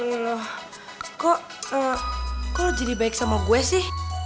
alah kok lo jadi baik sama gue sih